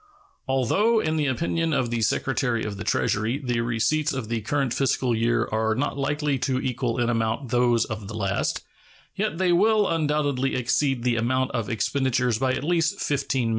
Although, in the opinion of the Secretary of the Treasury, the receipts of the current fiscal year are not likely to equal in amount those of the last, yet they will undoubtedly exceed the amount of expenditures by at least $15,000,000.